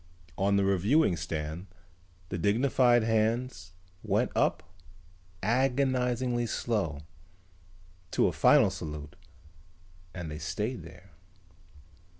On the reviewing stand the dignified hands went up, agonizingly slow, to a final salute and they stayed there.